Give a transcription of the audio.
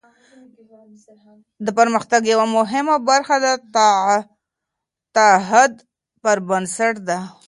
د پرمختګ یوه مهمه برخه د تعهد پر بنسټ ده.